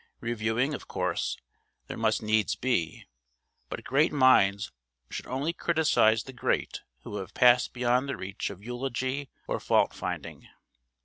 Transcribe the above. Reviewing, of course, there must needs be; but great minds should only criticise the great who have passed beyond the reach of eulogy or fault finding.